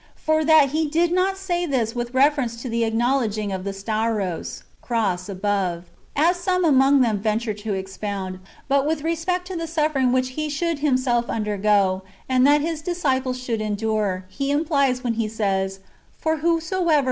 For that He did not say this with reference to the acknow ledging of the Stauros (cross) above, as some among them venture to expound, but with respect to the suffering which He should Himself undergo, and that His disciples should on dure, He implies when He says, " For whosoever will save 1 Matt.